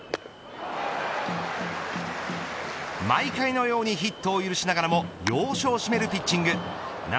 毎回のようにヒットを許しながらも要所を締めるピッチング。